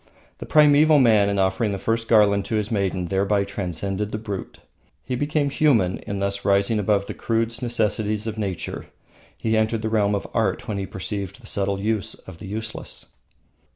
The primeval man in offering the first garland to his maiden thereby transcended the brute. He became human in thus rising above the crude necessities of nature. He entered the realm of art when he perceived the subtle use of the useless.